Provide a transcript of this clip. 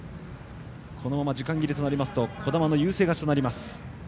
このまま時間切れとなると児玉の優勢勝ちとなります。